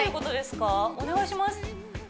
お願いします